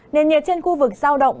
nền nhiệt trên khu vực giao động